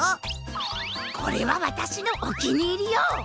これはわたしのおきにいりよ。